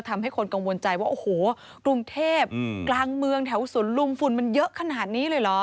ทำให้คนกังวลใจว่าโอ้โหกรุงเทพกลางเมืองแถวสวนลุมฝุ่นมันเยอะขนาดนี้เลยเหรอ